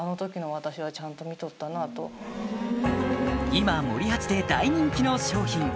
今森八で大人気の商品